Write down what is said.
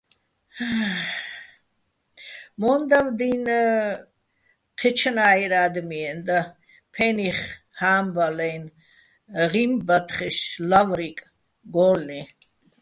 მო́ნდავ დი́ნ ჴეჩნა́ჲრეჼ ა́დმეჼ და, ფე́ნიხ ჰა́მბალაჲნი̆, ღიმბათხეშ, ლავრიკ, გო́ლლიჼ.